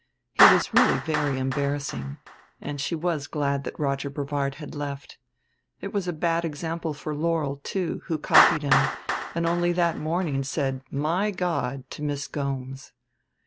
He was really very embarrassing, and she was glad that Roger Brevard had left. It was a bad example for Laurel, too, who copied him, and only that morning said "My God" to Miss Gomes.